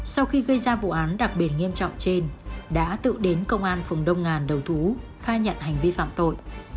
sau khi gây ra vụ án đặc biệt nghiêm trọng trên đã tự đến công an phường đông ngàn đầu thú khai nhận hành vi phạm tội